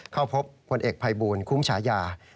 เข้าพบพลเอกภัยบูลคุ้มฉายา